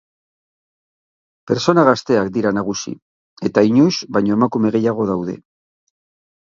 Pertsona gazteak dira nagusi eta inoiz baino emakume gehiago daude.